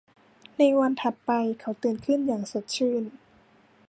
ในวันถัดไปเขาตื่นขึ้นอย่างสดชื่น